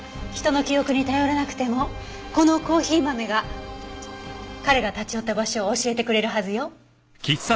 人の記憶に頼らなくてもこのコーヒー豆が彼が立ち寄った場所を教えてくれるはずよ。